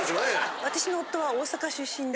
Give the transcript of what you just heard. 私の夫は大阪出身で。